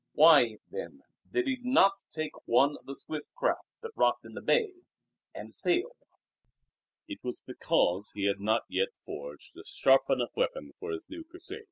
Why, then, did he not take one of the swift craft that rocked in the bay, and sail? It was because he had not yet forged a sharp enough weapon for his new Crusade.